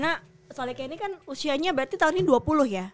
nah solike ini kan usianya berarti tahun ini dua puluh ya